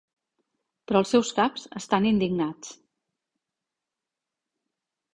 Però els seus caps estan indignats.